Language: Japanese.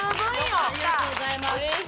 ありがとうございます。